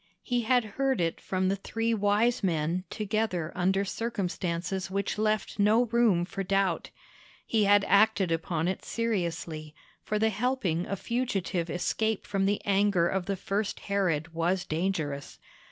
He had heard it from the three wise men together under circumstances which left no room for doubt; he had acted upon it seriously, for the helping a fugitive escape from the anger of the first Herod was dangerous.